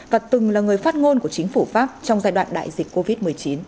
và từng là người phát ngôn của chính phủ pháp trong giai đoạn đại dịch covid một mươi chín